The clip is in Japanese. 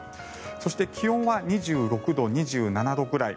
そして気温は２６度、２７度ぐらい。